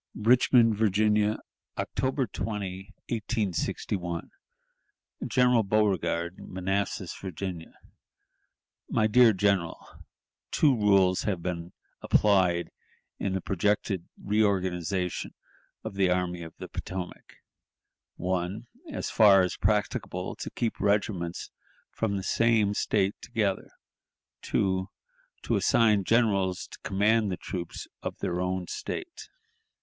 "Richmond, Virginia, October 20, 1861. "General Beauregard, Manassas, Virginia. "My Dear General:... Two rules have been applied in the projected reorganization of the Army of the Potomac: "1. As far as practicable, to keep regiments from the same State together; 2. To assign generals to command the troops of their own State.